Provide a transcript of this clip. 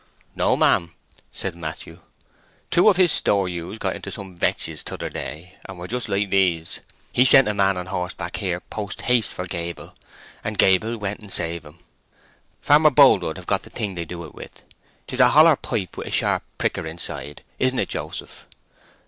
"O no, ma'am" said Matthew. "Two of his store ewes got into some vetches t'other day, and were just like these. He sent a man on horseback here post haste for Gable, and Gable went and saved 'em. Farmer Boldwood hev got the thing they do it with. 'Tis a holler pipe, with a sharp pricker inside. Isn't it, Joseph?"